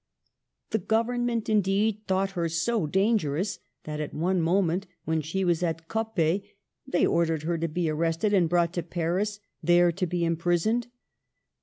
The Government, indeed, thought her so dangerous that, at one moment, when she was at Coppet, they ordered her to be arrested and brought to Paris, there to be impris oned.